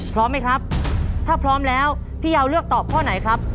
พร้อมไหมครับถ้าพร้อมแล้วพี่ยาวเลือกตอบข้อไหนครับ